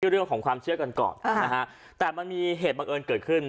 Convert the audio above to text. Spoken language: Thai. เรื่องของความเชื่อกันก่อนนะฮะแต่มันมีเหตุบังเอิญเกิดขึ้น